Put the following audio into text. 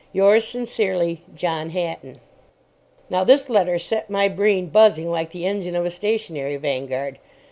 Yours sincerely, John Hatton. Now this letter set my brain buzzing like the engine of a stationary Vanguard.